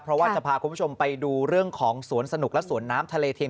เพราะว่าจะพาคุณผู้ชมไปดูเรื่องของสวนสนุกและสวนน้ำทะเลเทียม